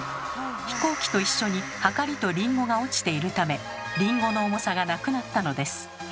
飛行機と一緒にはかりとリンゴが落ちているためリンゴの重さがなくなったのです。